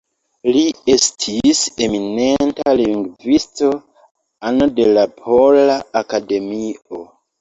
Li estis eminenta lingvisto, ano de la Pola Akademio.